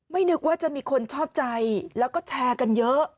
นึกว่าจะมีคนชอบใจแล้วก็แชร์กันเยอะ